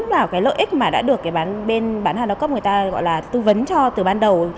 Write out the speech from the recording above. vào lợi ích mà đã được bán hàng đa cấp người ta tư vấn cho từ ban đầu